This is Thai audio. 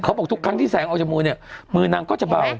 บอกทุกครั้งที่แสงออกจากมือเนี่ยมือนางก็จะเบา